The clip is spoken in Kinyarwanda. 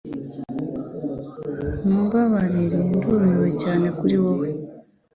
Mumbabarire Ndumiwe cyane kuri wewe.